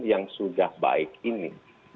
yang sudah baik ini